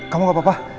kamu gak apa apa